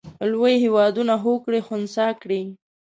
لوی هېوادونه هوکړې خنثی کړي.